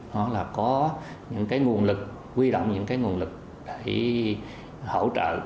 hoặc là có những cái nguồn lực quy động những cái nguồn lực để hỗ trợ